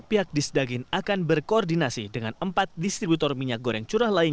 pihak diss daging akan berkoordinasi dengan empat distributor minyak goreng